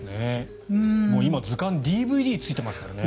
今、図鑑ＤＶＤついてますからね。